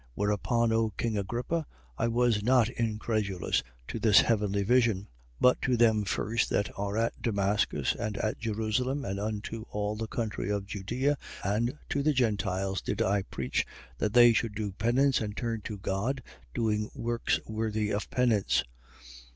26:19. Whereupon, O king Agrippa, I was not incredulous to the heavenly vision. 26:20. But to them first that are at Damascus and at Jerusalem, and unto all the country of Judea, and to the Gentiles did I preach, that they should do penance and turn to God, doing works worthy of penance.